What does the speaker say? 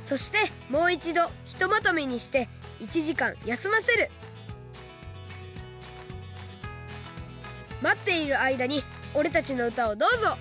そしてもういちどひとまとめにして１じかんやすませるまっているあいだにおれたちのうたをどうぞ！